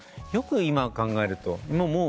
よく今考えると。